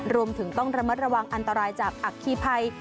รวมถึงต้องระมัดระวังอันตรายจากอัคคีภัย